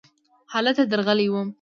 هلته درغلی وم .